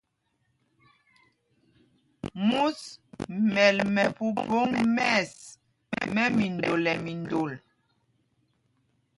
Mūs mɛ́l mɛ phúphōŋ mɛ̂ɛs mɛ́ mindol nɛ mindol.